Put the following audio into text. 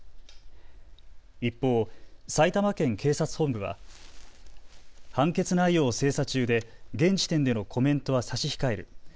一方、埼玉県警察本部は判決内容を精査中で現時点でのコメントは差し控える。